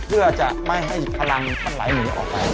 เพื่อจะไม่ให้พลังมันไหลหนีออกไป